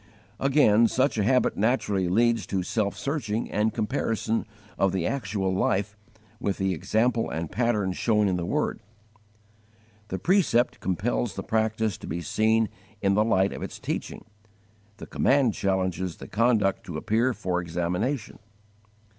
Again, such a habit naturally leads to self searching and comparison of the actual life with the example and pattern shown in the Word. The precept compels the practice to be seen in the light of its teaching; the command challenges the conduct to appear for examination.